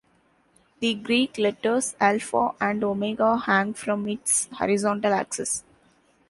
The Greek letters Alpha and Omega hang from its horizontal axis.